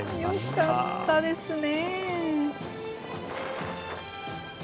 よかったですね。